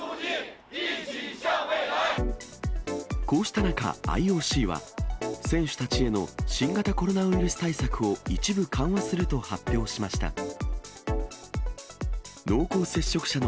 こうした中、ＩＯＣは、選手たちへの新型コロナウイルス対策を一部緩和すると発表しました。